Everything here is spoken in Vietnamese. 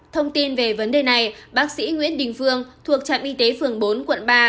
thông tin về vấn đề này bác sĩ nguyễn đình phương thuộc trạm y tế phường bốn quận ba